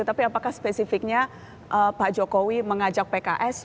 tapi apakah spesifiknya pak jokowi mengajak pks